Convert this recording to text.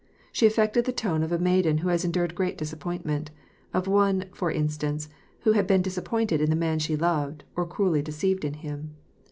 She affected the tone of a maiden who has endured great disappointment, — of one, for instance, who had been disappointed in the man she loved, or cruelly deceived in him.